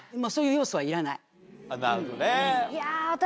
なるほどね。